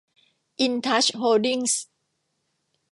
อินทัช โฮลดิ้งส์